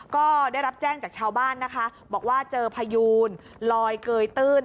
ก็ได้รับแจ้งจากชาวบ้านนะคะบอกว่าเจอพยูนลอยเกยตื้น